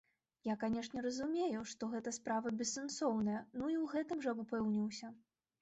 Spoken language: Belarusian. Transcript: Я, канечне, разумеў, што гэта справа бессэнсоўная ну і ў гэтым жа упэўніўся.